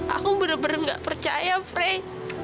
aku bener bener gak percaya frey